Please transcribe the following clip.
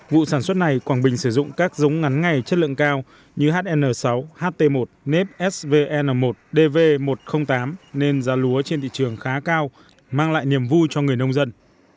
vụ sản xuất này quảng bình sử dụng các giống ngắn ngày chất lượng cao như hn sáu ht một nep svn một dv một trăm linh tám nên giá lúa trên thị trường khá cao mang lại niềm vui cho người nông dân